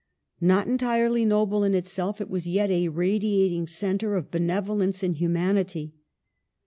Not entirely noble in itself, it was yet a radiating centre of benevolence and humanity.